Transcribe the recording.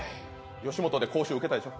吉本で講習を受けたでしょ？